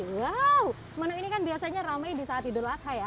wow menu ini kan biasanya ramai di saat idul adha ya